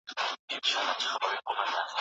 روښانه راتلونکې تر تیاره پرون ښه ده.